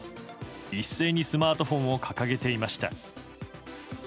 一斉にスマートフォンを掲げていました。